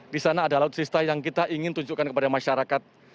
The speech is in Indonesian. di sana ada alutsista yang kita ingin tunjukkan kepada masyarakat